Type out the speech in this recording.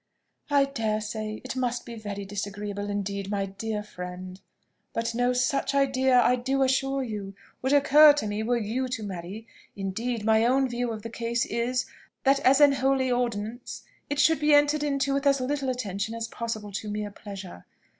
"I dare say it must be very disagreeable indeed, my dear friend. But no such idea, I do assure you, would occur to me were you to marry. Indeed, my own view of the case is, that as an holy ordinance, it should be entered into with as little attention as possible to mere pleasure.